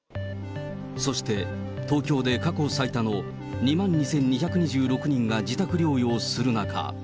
そして東京で過去最多の２万２２２６人が自宅療養する中。